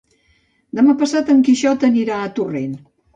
Demà passat en Quixot anirà a Torrent.